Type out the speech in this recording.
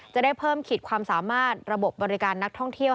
จะได้เพิ่มขีดความสามารถระบบบบริการนักท่องเที่ยว